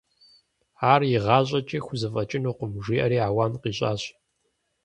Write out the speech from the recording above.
Ар игъащӏэкӏи хузэфӏэкӏынукъым, – жиӏэри ауан къищӏащ.